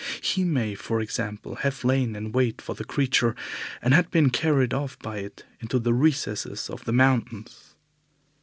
He may, for example, have lain in wait for the creature and been carried off by it into the recesses of the mountains.